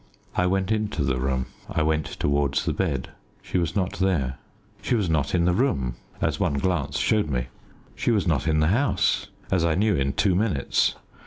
I went into the room I went towards the bed. She was not there. She was not in the room, as one glance showed me. She was not in the house, as I knew in two minutes.